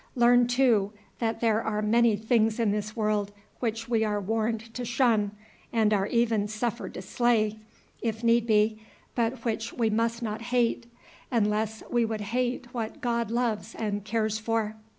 Learn, too, that there are many things in this world which we are warned to shun, and are even suffered to slay, if need be, but which we must not hate, unless we would hate what God loves and cares for.